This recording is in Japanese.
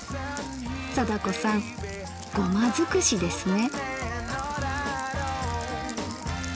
貞子さんゴマづくしですね！